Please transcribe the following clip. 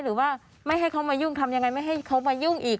หรือว่าไม่ให้เขามายุ่งทำยังไงไม่ให้เขามายุ่งอีก